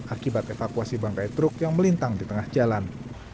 akibat evakuasi bangkai truk yang melintang di tengah jalan